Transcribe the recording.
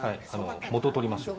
元取りましょう。